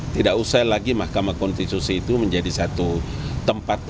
tidak usah lagi mahkamah konstitusi itu menjadi satu tempat